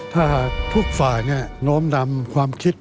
ถ้าทุกฝ่ายเนี่ยโน้มดำความคิด